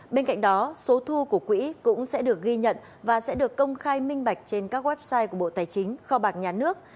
bên cạnh đó số thu của quỹ cũng sẽ được ghi nhận và sẽ được công khai minh bạch trên các website của bộ tài chính kho bạc nhà nước